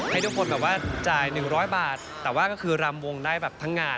ให้ทุกคนแบบว่าจ่าย๑๐๐บาทแต่ว่าก็คือรำวงได้แบบทั้งงาน